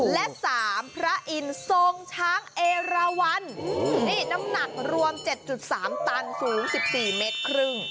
และ๓พระอินทร์ทรงช้างเอราวันนี่น้ำหนักรวม๗๓ตันสูง๑๔เมตรครึ่ง